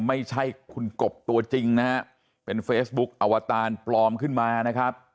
ไม่ใช่คุณกบตัวจริงนะฮะเป็นเฟซบุ๊คอวตารปลอมขึ้นมานะครับ